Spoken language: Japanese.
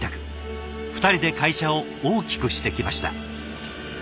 ２人で会社を大きくしてきました。